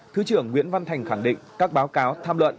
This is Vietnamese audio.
thứ trưởng nguyễn văn thành khẳng định các báo cáo tham luận